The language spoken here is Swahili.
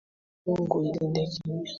Mungu ilinde Kenya